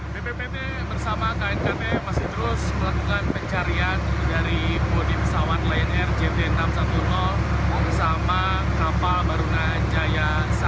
dan berikut adalah laporan produser lapangan rizky rinaldi dari atas kapal baruna jaya